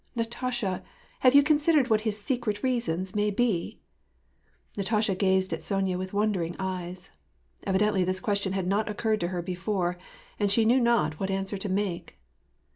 Natasha, have you considered what his secret reasons may be ?". Natasha gazed at Sonya with wondering eyes. Evidently this question had not occurred to her before, and she knew not what answer to make.